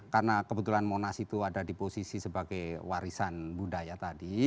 karena kebetulan monas itu ada di posisi sebagai warisan budaya tadi